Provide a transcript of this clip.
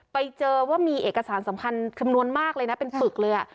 ไปเจอว่ามีเอกสารสำคัญจำนวนมากเลยนะเป็นปึกเลย